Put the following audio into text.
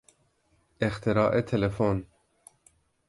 اختراع تلفن